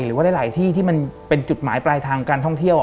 หรือว่าหลายที่ที่มันเป็นจุดหมายปลายทางการท่องเที่ยว